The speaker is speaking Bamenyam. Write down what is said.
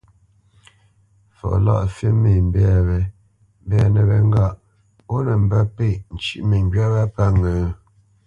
Fɔ Lâʼfî mê mbɛ̂ wě mbɛ́nə̄ wé ŋgâʼ ó nə mbə́pêʼ ncʉ́ʼ məŋgywá wá pə́ ŋə́ ?